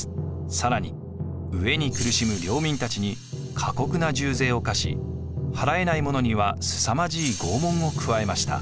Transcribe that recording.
更に飢えに苦しむ領民たちに過酷な重税を課し払えない者にはすさまじい拷問を加えました。